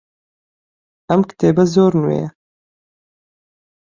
ئەم کتێبە زۆر نوێیە.